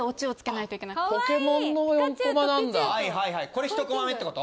これ１コマ目ってこと？